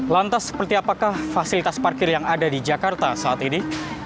lantas seperti apakah fasilitas parkir yang ada di jakarta saat ini